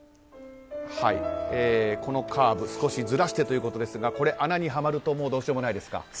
このカーブ少しずらしてということですが穴にはまるともうどうしようもないですか。